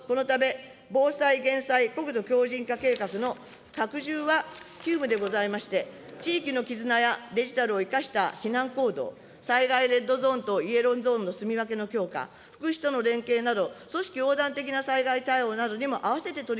このため、防災減災・国土強じん化計画の拡充は急務でございまして、地域の絆や、デジタルを生かした避難行動、災害レッドゾーンとイエローゾーンの住み分けの強化、福祉との連携など、組織横断の災害対応などにも合わせて取り